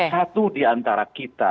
satu di antara kita